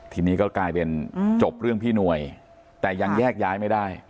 ทีนี้ก็กลายเป็นจบเรื่องพี่หน่วยแต่ยังแยกย้ายไม่ได้